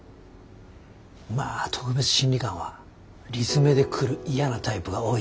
まあ特別審理官は理詰めで来る嫌なタイプが多いんだけど。